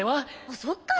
あっそっか！